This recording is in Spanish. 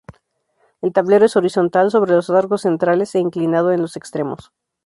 El tablero es horizontal sobre los arcos centrales e inclinado en los extremos.